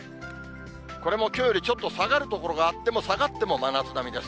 これもきょうよりちょっと下がる所があっても、下がっても真夏並みです。